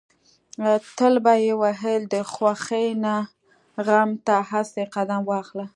تل به يې ويل د خوښۍ نه غم ته اسې قدم واخله.